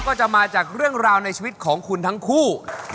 ก็จะมาจากเรื่องราวในชีวิตของคุณทั้งคู่